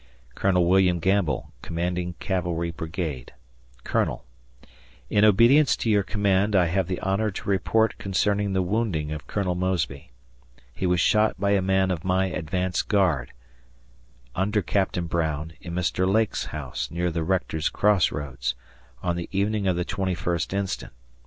Colonel William Gamble, Commanding Cavalry Brigade, Colonel: In obedience to your command, I have the honor to report concerning the wounding of Colonel Mosby. He was shot by a man of my advance guard, under Captain Brown, in Mr. Lake's house, near the Rector's Cross roads, on the evening of the 21st instant.